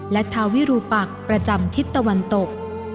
และทาวิรูปักประจำทิศตะวันตก